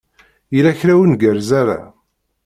Yella kra ur ngerrez ara?